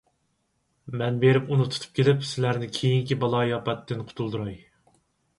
مەن بېرىپ ئۇنى تۇتۇپ كېلىپ، سىلەرنى كېيىنكى بالايىئاپەتتىن قۇتۇلدۇراي.